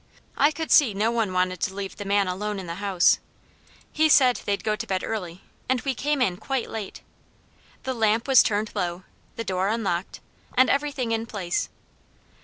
I could see no one wanted to leave the man alone in the house. He said they'd go to bed early, and we came in quite late. The lamp was turned low, the door unlocked, and everything in place.